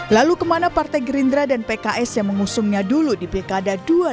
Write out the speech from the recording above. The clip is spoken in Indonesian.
lalu kemana partai gerindra dan pks yang mengusungnya dulu di pilkada dua ribu tujuh belas